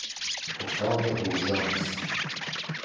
اتاق اورژانس